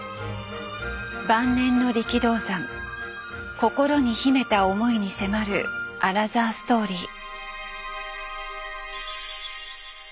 晩年の力道山心に秘めた思いに迫るアナザーストーリー。